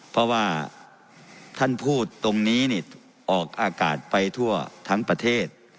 เพราะว่าท่านพูดตรงนี้ออกอากาศไปทั่วทั้งประเทศ